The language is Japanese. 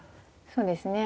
そうですね。